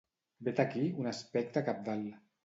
Vet aquí un aspecte cabdal.